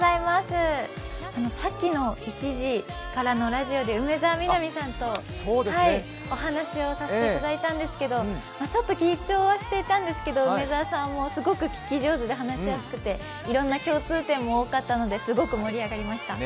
さっきの１時からのラジオで梅澤美波さんとお話をさせていただいたんですけどちょっと緊張はしていたんですけど、梅澤さんもすごい聞き上手で話しやすくていろんな共通点も多かったのですごく盛り上がりました。